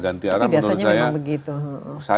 ganti arah tapi biasanya memang begitu menurut saya